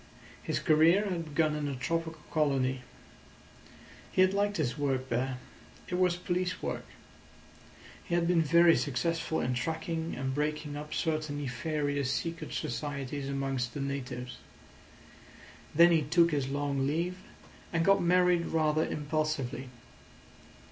His career had begun in a tropical colony. He had liked his work there. It was police work. He had been very successful in tracking and breaking up certain nefarious secret societies amongst the natives. Then he took his long leave, and got married rather impulsively.